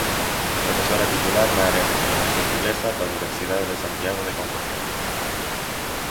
Profesora Titular na área de Filoloxía Inglesa da Universidade de Santiago de Compostela.